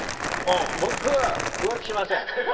僕は浮気しません。